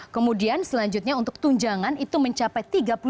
kemudian selanjutnya untuk tunjangan itu mencapai tiga puluh delapan